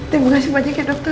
terima kasih banyak ya dokter